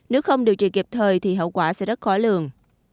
nếu không điều trị kịp thời thì hậu quả sẽ rất khó lường